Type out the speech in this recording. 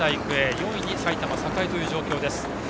４位に埼玉栄という状況。